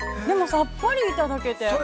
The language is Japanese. でも、さっぱりいただけて。